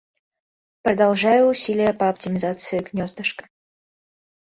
Продолжаю усилия по оптимизации гнездышка.